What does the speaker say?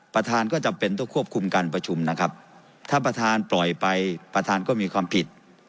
ก็จำเป็นต้องควบคุมการประชุมนะครับถ้าประธานปล่อยไปประธานก็มีความผิด